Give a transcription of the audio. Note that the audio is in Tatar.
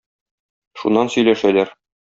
Шуннан сөйләшәләр.